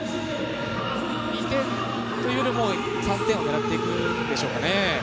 ２点というよりも３点を狙っていくんでしょうかね。